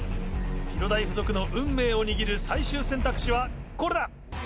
広大附属の運命を握る最終選択肢はこれだ！